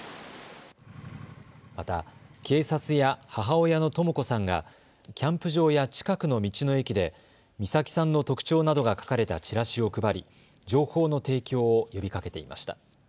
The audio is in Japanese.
また、警察や母親のとも子さんがキャンプ場や近くの道の駅で美咲さんの特徴などが書かれたチラシを配り情報の提供を呼びかけていました。